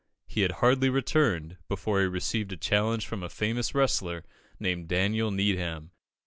He had hardly returned, before he received a challenge from a famous wrestler, named Daniel Needham.